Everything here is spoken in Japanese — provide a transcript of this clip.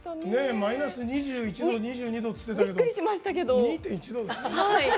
マイナス２１度２２度って言ってたけど２．１度。